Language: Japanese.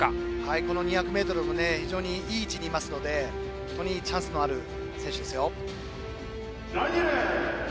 この２００ｍも非常にいい位置にいますのでチャンスのある選手ですよ。